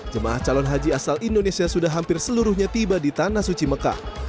jemaah calon haji asal indonesia sudah hampir seluruhnya tiba di tanah suci mekah